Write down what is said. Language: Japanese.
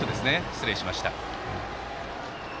失礼しました。